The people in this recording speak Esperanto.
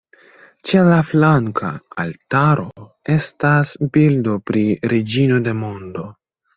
Ĉe la flanka altaro estas bildo pri "Reĝino de Mondo".